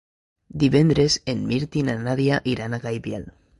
Divendres en Mirt i na Nàdia iran a Gaibiel.